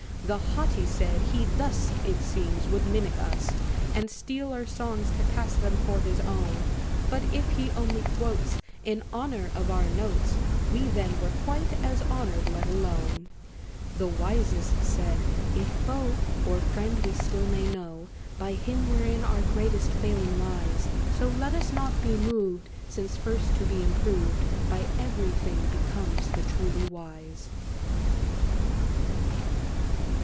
The haughty said, "He thus. It seems, would mimic us, And steal our songs, to pass them for his own! But if he only quotes In honor of our notes, We then were quite as honored, let alone." The wisest said, "If foe Or friend, we still may know By him, wherein our greatest failing lies. So, let us not be moved, Since first to be improved By every thing, becomes the truly wise."